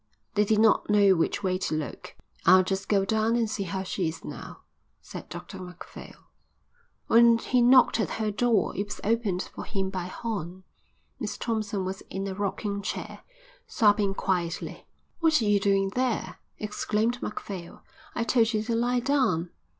They did not know which way to look. "I'll just go down and see how she is now," said Dr Macphail. When he knocked at her door it was opened for him by Horn. Miss Thompson was in a rocking chair, sobbing quietly. "What are you doing there?" exclaimed Macphail. "I told you to lie down."